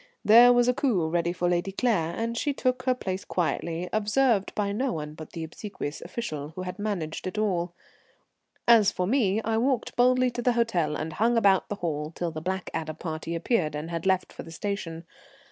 There was a coupé ready for Lady Claire, and she took her place quietly, observed by no one but the obsequious official who had managed it all. As for me, I walked boldly to the hotel and hung about the hall till the Blackadder party appeared and had left for the station.